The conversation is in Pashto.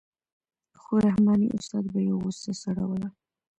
خو رحماني استاد به یې غوسه سړوله.